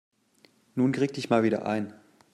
Nun krieg dich mal wieder ein.